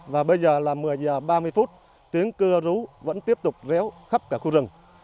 và bây giờ là một mươi giờ ba mươi phút tiếng cưa rú vẫn tiếp tục réo khắp cả khu rừng